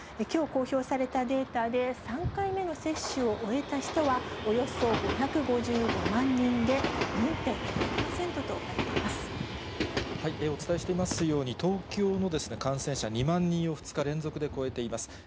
きょう公表されたデータで３回目の接種を終えた人はおよそ５５５お伝えしていますように、東京の感染者、２万人を２日連続で超えています。